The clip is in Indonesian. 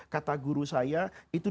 kata guru saya itu